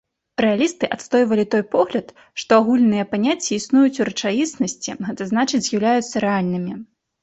Рэалісты адстойвалі той погляд, што агульныя паняцці існуюць у рэчаіснасці, гэта значыць з'яўляюцца рэальнымі.